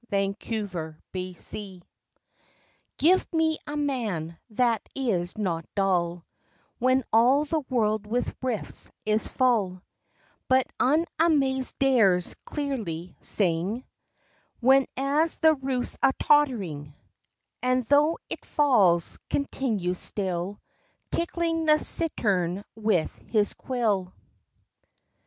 HIS DESIRE Give me a man that is not dull, When all the world with rifts is full; But unamazed dares clearly sing, Whenas the roof's a tottering; And though it falls, continues still Tickling the Cittern with his quill.